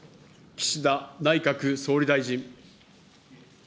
岸田内閣総理大臣。